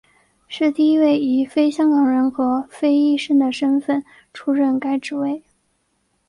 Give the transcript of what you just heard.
是第一位以非香港人和非医生的身份出任该职位。